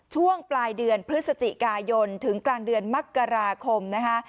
ช่วงปลายเดือนพฤศจิกายนถึงกลางเดือนมกราคมนะคะ